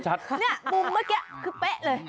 เนี่ยมุมเมื่อกี้คือเป๊ะเลย